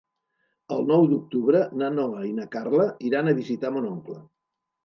El nou d'octubre na Noa i na Carla iran a visitar mon oncle.